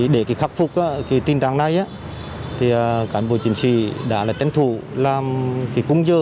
để khắc phục tình trạng này cán bộ chiến sĩ đã tên thủ làm công giờ